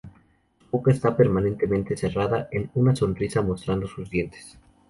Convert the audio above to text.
Su boca esta permanentemente cerrada en una sonrisa mostrando sus dientes.